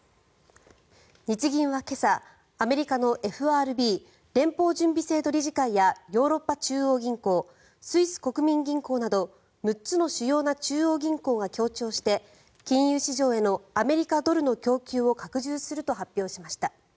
日銀は今朝、アメリカのＦＲＢ・連邦準備制度理事会やヨーロッパ中央銀行スイス国民銀行など６つの主要な中央銀行が協調して金融市場へのアメリカドルの供給を拡充すると発表しました。